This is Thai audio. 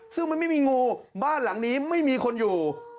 ซึ่งมันไม่มีงูบ้านหลังนี้ไม่มีคนอยู่